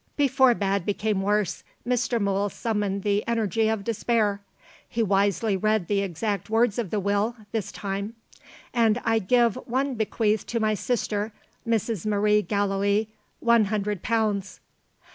Before bad became worse, Mr. Mool summoned the energy of despair. He wisely read the exact words of the Will, this time: "'And I give and bequeath to my sister, Mrs. Maria Gallilee, one hundred pounds."